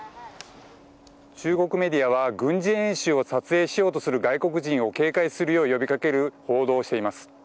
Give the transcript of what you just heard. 中国メディアは軍事演習を撮影しようとする外国人を警戒するよう呼び掛ける報道をしています。